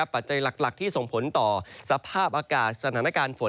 ปัจจัยหลักที่ส่งผลต่อสภาพอากาศสถานการณ์ฝน